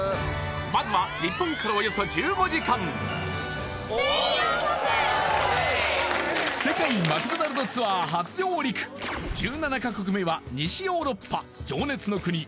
まずは日本からおよそ１５時間世界マクドナルドツアー初上陸１７カ国目は西ヨーロッパ情熱の国